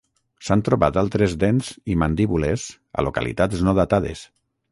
S'han trobat altres dents i mandíbules a localitats no datades.